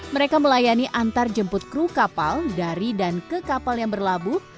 mereka melayani antar jemput kru kapal dari dan ke kapal yang berlabuh